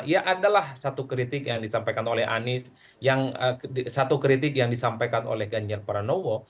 ia adalah satu kritik yang disampaikan oleh anies satu kritik yang disampaikan oleh ganjir paranowo